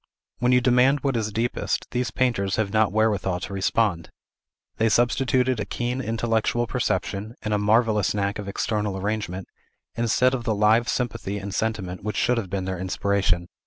When you demand what is deepest, these painters have not wherewithal to respond. They substituted a keen intellectual perception, and a marvellous knack of external arrangement, instead of the live sympathy and sentiment which should have been their inspiration.